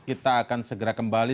kita akan segera kembali